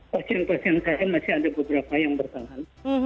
pasien pasien lain masih ada beberapa yang bertahan